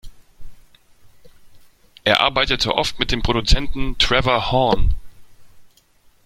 Er arbeitete oft mit dem Produzenten Trevor Horn.